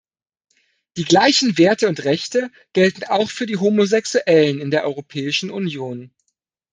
Die gleichen Werte und Rechte gelten auch für die Homosexuellen in der Europäischen Union.